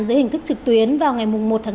dưới hình thức trực tuyến vào ngày một tháng bốn